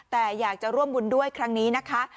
แต่อยากจะร่วมบุญด้วยครั้งนี้นะคะ